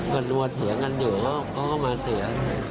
กันดัวเสียได้เลยเขาก็มาเสีย